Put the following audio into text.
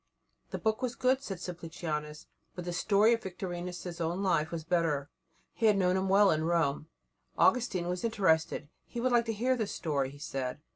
The book was good, said Simplicianus, but the story of Victorinus' own life was better. He had known him well in Rome. Augustine was interested; he would like to hear the story, he said.